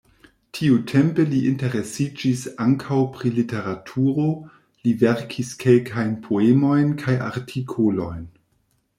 Tiutempe li interesiĝis ankaŭ pri literaturo, li verkis kelkajn poemojn kaj artikolojn.